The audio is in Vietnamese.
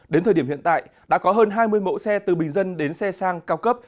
đến thời điểm hiện tại đã có hơn hai mươi mẫu xe từ bình dân đến xe sang cao cấp